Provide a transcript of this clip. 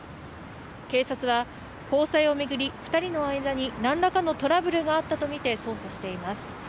警察は交際を巡り、２人の間に何らかのトラブルがあったとみて捜査しています。